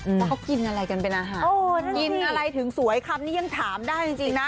ว่าเขากินอะไรกันเป็นอาหารกินอะไรถึงสวยคำนี้ยังถามได้จริงนะ